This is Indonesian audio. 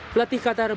pelatih qatar menang